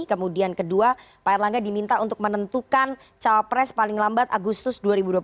kemudian kedua pak erlangga diminta untuk menentukan cawapres paling lambat agustus dua ribu dua puluh